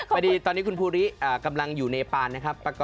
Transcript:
พอดีตอนนี้คุณภูริกำลังอยู่ในปานนะครับ